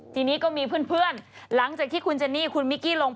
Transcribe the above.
ทีนี้ก็มีเพื่อนหลังจากที่คุณเจนี่คุณมิกกี้ลงไป